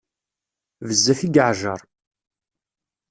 Bezzaf i iɛǧǧer.